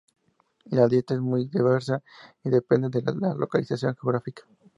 La dieta es muy diversa y depende de su localización geográfica.